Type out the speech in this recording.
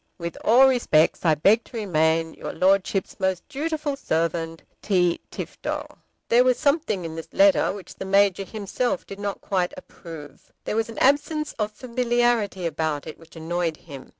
With all respects I beg to remain, Your Lordship's most dutiful Servant, T. TIFTO. There was something in this letter which the Major himself did not quite approve. There was an absence of familiarity about it which annoyed him.